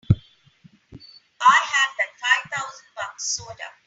I had that five thousand bucks sewed up!